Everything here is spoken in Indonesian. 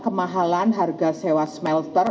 kemahalan harga sewa smelter